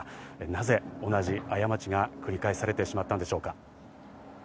なぜ同じ過ちが繰り返されてしまったのでしょうか？